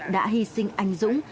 đã hy sinh anh dũng